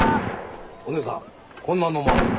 お姉さんこんなのもあるよ。